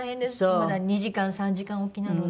まだ２時間３時間おきなので。